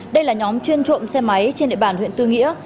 đây là nhóm chuyên trộm xe máy trên địa bàn huyện tư nghĩa